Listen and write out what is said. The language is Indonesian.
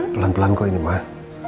pelan pelan kok ini mah